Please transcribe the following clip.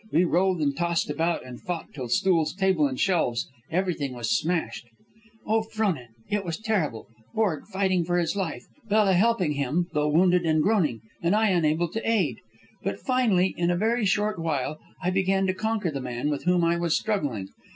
We rolled and tossed about and fought till stools, table, shelves everything was smashed. "Oh, Frona, it was terrible! Borg fighting for life, Bella helping him, though wounded and groaning, and I unable to aid. But finally, in a very short while, I began to conquer the man with whom I was struggling.